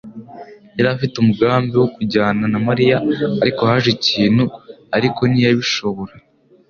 yari afite umugambi wo kujyana na Mariya, ariko haje ikintu ariko ntiyabishobora.